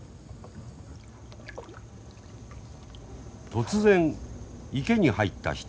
突然池に入った一人の男。